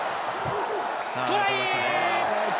トライ！